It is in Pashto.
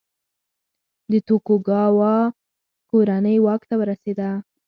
د توکوګاوا کورنۍ واک ته ورسېده.